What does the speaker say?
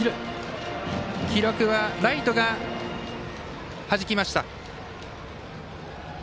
記録はライトがはじきました。